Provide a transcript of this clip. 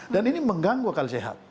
dan ini mengganggu akal sehat